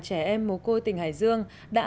trẻ em mồ côi tỉnh hải dương đã